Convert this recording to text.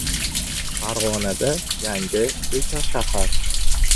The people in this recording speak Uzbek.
Farg‘onada yangi ekoshahar